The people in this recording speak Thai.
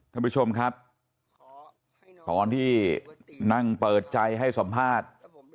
ท่านผู้ชมครับตอนที่นั่งเปิดใจให้สัมภาษณ์